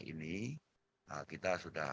ini kita sudah